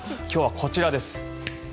今日はこちらです。